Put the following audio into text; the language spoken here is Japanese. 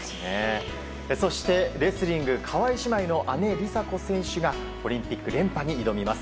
そして、レスリング川井姉妹の姉・梨紗子選手がオリンピック連覇に挑みます。